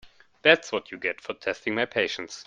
That’s what you get for testing my patience.